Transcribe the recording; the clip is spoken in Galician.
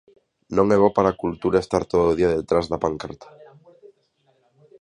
Non é bo para cultura estar todo o día detrás da pancarta.